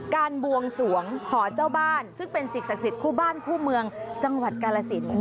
บวงสวงหอเจ้าบ้านซึ่งเป็นสิ่งศักดิ์สิทธิคู่บ้านคู่เมืองจังหวัดกาลสิน